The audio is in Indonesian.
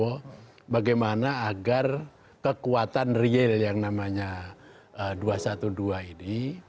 bahwa bagaimana agar kekuatan real yang namanya dua ratus dua belas ini